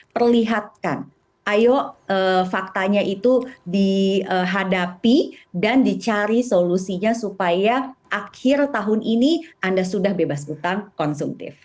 perlihatkan ayo faktanya itu dihadapi dan dicari solusinya supaya akhir tahun ini anda sudah bebas utang konsumtif